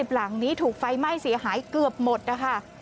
หลังนี้ถูกไฟไหม้เสียหายเกือบหมดนะคะ